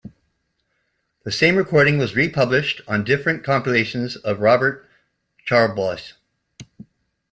The same recording was republished on different compilations of Robert Charlebois.